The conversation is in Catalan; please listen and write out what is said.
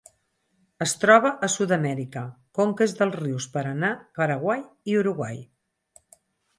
Es troba a Sud-amèrica: conques dels rius Paranà, Paraguai i Uruguai.